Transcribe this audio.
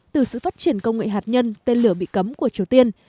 từ sự phát triển công nghệ hạt nhân tên lửa bị cấm của triều tiên